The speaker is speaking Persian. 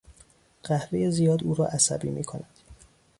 قهوهی زیاد او را عصبی میکند.